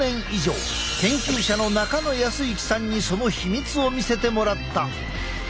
研究者の中野康行さんにその秘密を見せてもらった。